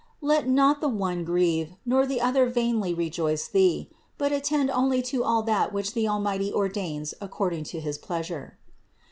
Let not the one grieve, nor the other vainly re 608 CITY OF GOD joice thee; but attend only to all that which the Almighty ordains according to his pleasure.